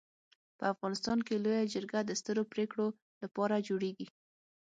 په افغانستان کي لويه جرګه د سترو پريکړو لپاره جوړيږي.